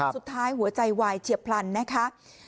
สุดท้ายหัวใจวายเฉียบพลันนะคะ